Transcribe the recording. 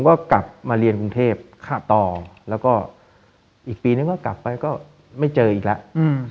ก็กลับมาเรียนกรุงเทพต่อแล้วก็อีกปีนึงก็กลับไปก็ไม่เจออีกแล้ว